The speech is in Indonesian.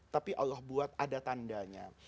tapi allah buat ada tandanya